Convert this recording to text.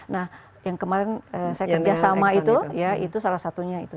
nah yang kemarin saya kerjasama itu ya itu salah satunya itu